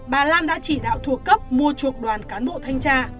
bà lan đã chỉ đạo thuộc cấp mua chuộc đoàn cán bộ thanh tra